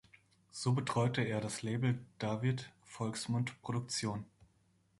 So betreute er das Label David Volksmund Produktion.